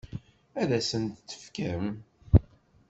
Ad asen-t-tefkem?